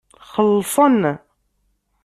Xellṣen.